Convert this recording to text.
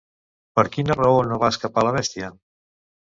Per quina raó no va escapar la bèstia?